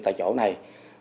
tại chỗ này